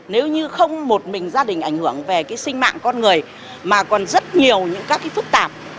nếu như không một mình gia đình ảnh hưởng về cái sinh mạng con người mà còn rất nhiều những các cái phức tạp